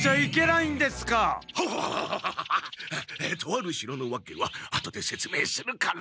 とある城のわけは後でせつめいするから。